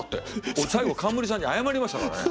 俺最後冠さんに謝りましたからね。